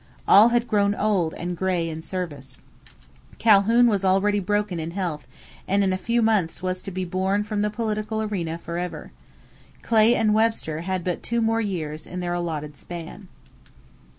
All had grown old and gray in service. Calhoun was already broken in health and in a few months was to be borne from the political arena forever. Clay and Webster had but two more years in their allotted span.